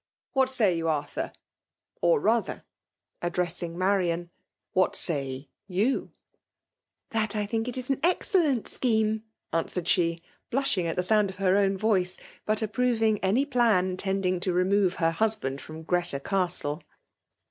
What say you, Arthur ?— or rather," addressing Marian, *' what say you ?" ''That I think it an excellent scheme," answered she, blushing at the sound of her own voice, but approving any plan tending to remove her husband from Greta Castle.